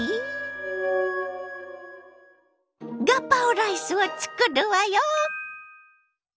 ガパオライスをつくるわよ！